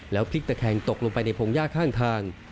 พลิกตะแคงตกลงไปในพงหญ้าข้างทาง